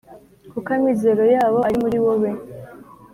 kuko amizero yabo ari muri wowe.